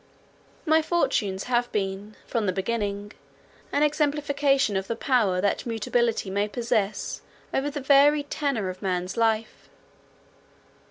My fortunes have been, from the beginning, an exemplification of the power that mutability may possess over the varied tenor of man's life.